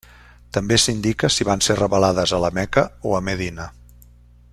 També s'indica si van ser revelades a la Meca o a Medina.